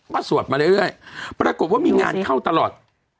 ก็สวดมาเรื่อยปรากฏว่ามีงานเข้าตลอด